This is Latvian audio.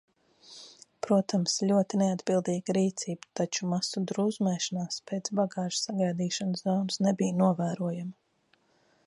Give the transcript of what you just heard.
Protams, ļoti neatbildīga rīcība, taču masu drūzmēšanās pēc bagāžas sagaidīšanas zonas nebija novērojama.